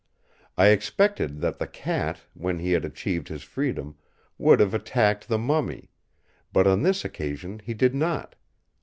I expected that the cat, when he had achieved his freedom, would have attacked the mummy; but on this occasion he did not.